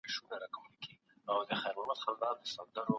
د ناروغ ماشوم د اوبو د ضایع کېدو مخه په کورنیو شربتونو ونیسئ.